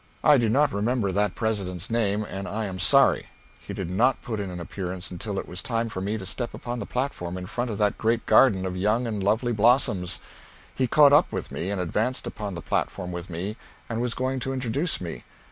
I do not remember that President's name, and I am sorry. He did not put in an appearance until it was time for me to step upon the platform in front of that great garden of young and lovely blossoms. He caught up with me and advanced upon the platform with me and was going to introduce me.